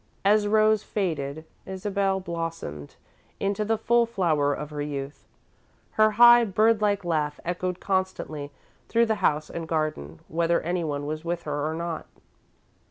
As Rose faded, Isabel blossomed into the full flower of her youth. Her high, bird like laugh echoed constantly through the house and garden, whether anyone was with her or not.